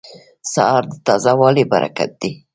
سهار د تازه والي برکت دی.